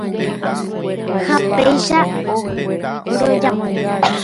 Ha péicha rojapo.